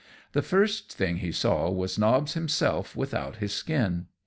The first thing he saw was Nobbs himself without his skin.